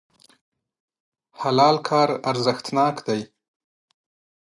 د حلال کار ارزښتناک دی.